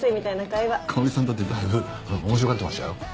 かほりさんだってだいぶ面白がってましたよ。